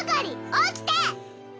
起きて！